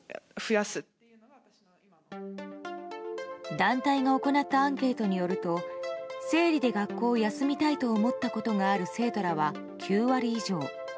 団体が行ったアンケートによると生理で学校を休みたいと思ったことがある生徒らは９割以上。